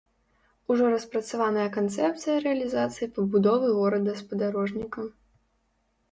Ужо распрацаваная канцэпцыя рэалізацыі пабудовы горада-спадарожніка.